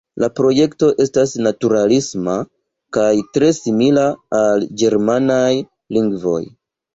La projekto estas naturalisma kaj tre simila al ĝermanaj lingvoj.